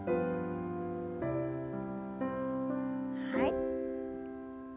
はい。